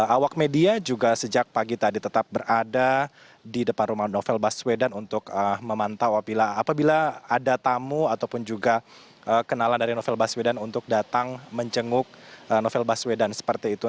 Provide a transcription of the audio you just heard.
awak media juga sejak pagi tadi tetap berada di depan rumah novel baswedan untuk memantau apabila ada tamu ataupun juga kenalan dari novel baswedan untuk datang menjenguk novel baswedan seperti itu